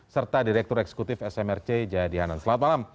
serta direktur eksekutif smrc jaya dihanan selamat malam